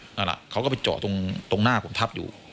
นั่นแหละเขาก็ไปเจาะตรงหน้าผมทับอยู่